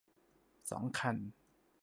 สอง คัน